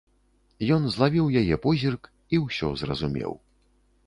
Ён злавіў яе позірк і ўсё зразумеў.